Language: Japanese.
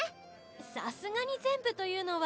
さすがに全部というのは。